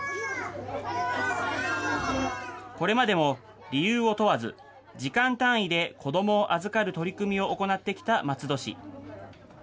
これまでも、理由を問わず、時間単位で子どもを預かる取り組みを行ってきた松戸市。